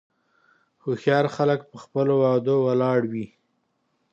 هوښیار خلک په خپلو وعدو ولاړ وي.